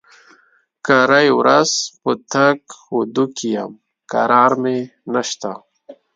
کرۍ ورځ په تګ و دو کې يم؛ کرار مې نشته.